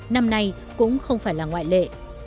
năm nay cũng không phải là ngoại lệ